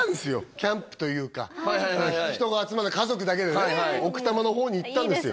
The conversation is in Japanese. キャンプというか人が集まらない家族だけでね奥多摩の方に行ったんですよ